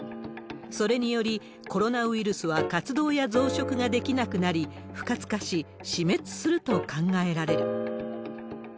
それにより、コロナウイルスは活動や増殖ができなくなり、不活化し、死滅すると考えられる。